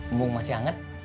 mumbung masih hangat